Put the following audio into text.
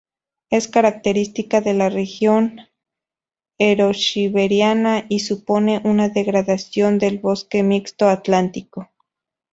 Es característica de la región eurosiberiana y supone una degradación del bosque mixto atlántico.